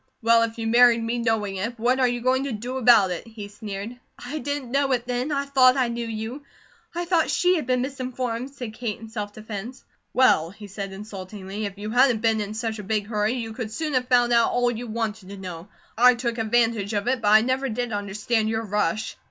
"Well, if you married me knowing it, what are you going to do about it?" he sneered. "I didn't know it then. I thought I knew you. I thought she had been misinformed," said Kate, in self defence. "Well," he said insultingly, "if you hadn't been in such a big hurry, you could soon have found out all you wanted to know. I took advantage of it, but I never did understand your rush."